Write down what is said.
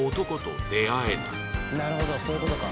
なるほどそういう事か。